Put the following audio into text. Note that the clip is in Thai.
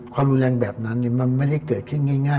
ความรุนแรงแบบนั้นมันไม่ได้เกิดขึ้นง่าย